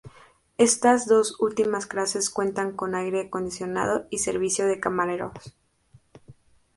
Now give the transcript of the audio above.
Estas dos últimas clases cuentan con aire acondicionado y servicio de camareros.